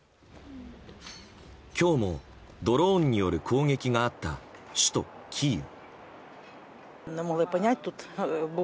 今日もドローンによる攻撃があった首都キーウ。